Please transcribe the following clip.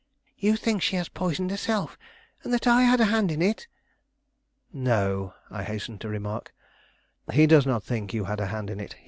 You think she has poisoned herself, and that I had a hand in it!" "No," I hastened to remark, "he does not think you had a hand in it.